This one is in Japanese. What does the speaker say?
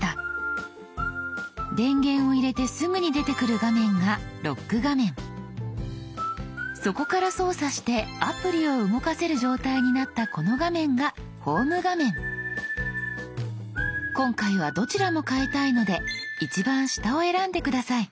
電源を入れてすぐに出てくる画面がそこから操作してアプリを動かせる状態になったこの画面が今回はどちらも変えたいので一番下を選んで下さい。